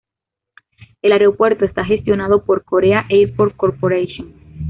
El aeropuerto está gestionado por Korea Airports Corporation.